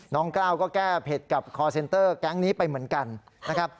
กล้าวก็แก้เผ็ดกับคอร์เซ็นเตอร์แก๊งนี้ไปเหมือนกันนะครับ